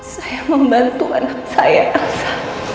saya membantu anak saya elsa